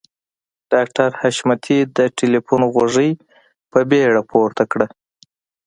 ډاکټر حشمتي د ټليفون غوږۍ په بیړه پورته کړه.